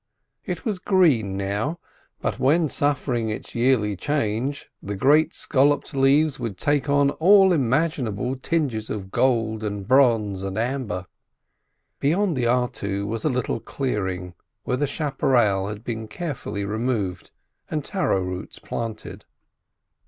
It was green now, but when suffering its yearly change the great scalloped leaves would take all imaginable tinges of gold and bronze and amber. Beyond the artu was a little clearing, where the chapparel had been carefully removed and taro roots planted.